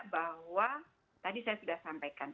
bahwa tadi saya sudah sampaikan